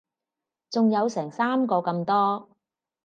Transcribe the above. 仲有成三個咁多